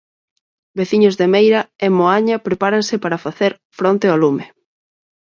Veciños de Meira, en Moaña, prepáranse para facer fronte ao lume.